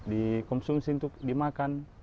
dikonsumsi untuk dimakan